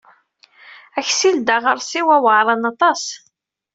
Aksil d aɣersiw aweɛṛan aṭas.